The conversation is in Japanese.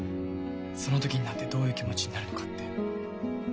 その時になってどういう気持ちになるのかって。